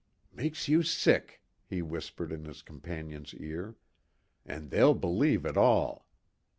"Makes you sick!" he whispered in his companion's ear. "And they'll believe it all.